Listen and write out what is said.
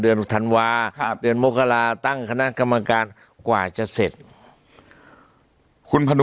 ธันวาครับเดือนมกราตั้งคณะกรรมการกว่าจะเสร็จคุณพนม